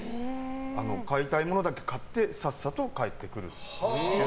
買いたいものだけ買ってさっさと帰ってくる。